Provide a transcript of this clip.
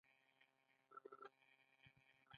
هغه په خپل لټون کې ډېر جدي معلومېده.